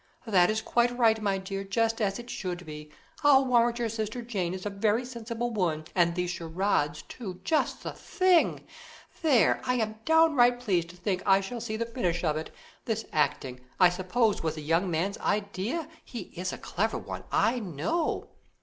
"That is quite right, my dear, just as it should be; I'll warrant your sister Jane is a very sensible woman; and these charades, too, just the thing. There, I am downright pleased to think I shall see the finish of it. This acting, I suppose was the young man's idea? he is a clever one, I know."